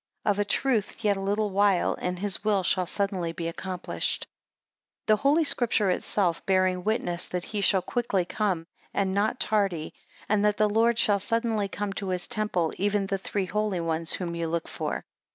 14 Of a truth yet a little while and his will shall suddenly be accomplished. 15 The Holy Scripture itself bearing witness, that He shall quickly come and not tardy, and that the Lord shall suddenly come to his temple, even the 3 holy ones whom ye look for.